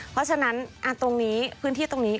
เพราะฉะนั้นตรงนี้พื้นที่ตรงนี้